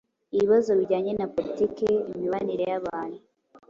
ibibazo bijyanye na politiki, imibanire y’abantu,